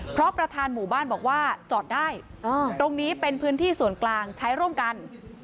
เพราะประธานหมู่บ้านบอกว่าจอดได้ตรงนี้เป็นพื้นที่ส่วนกลางใช้ร่วมกัน